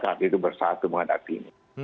kita bisa bersatu menghadapi ini